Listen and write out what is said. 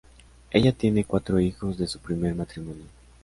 Ella tiene cuatro hijos, de su primer matrimonio.